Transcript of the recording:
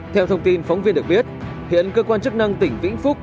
theo thông tin phóng viên được biết hiện cơ quan chức năng tỉnh vĩnh phúc